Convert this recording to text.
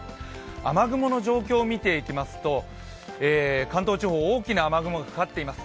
雨雲の状況見ていきますと関東地方大きな雨雲がかかっています。